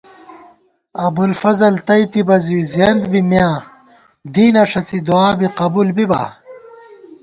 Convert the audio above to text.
ابُوالفضل تئیتِبہ زی زیَنت بی مِیاں دینہ ݭڅی دُعابی قبُول بِبا